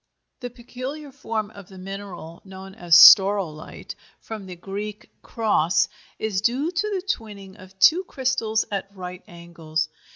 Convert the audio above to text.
] The peculiar form of the mineral known as staurolite (from the Greek σταυρός cross) is due to the twinning of two crystals at right angles.